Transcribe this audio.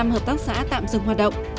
hai mươi năm hợp tác xã tạm dừng hoạt động